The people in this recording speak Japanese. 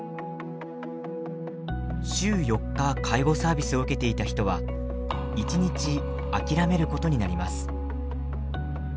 週４日介護サービスを受けていた人は１日諦めることになります。